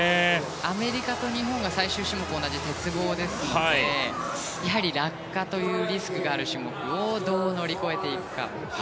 アメリカと日本が最終種目が同じ鉄棒ですのでやはり落下というリスクがある種目をどう乗り越えていくか。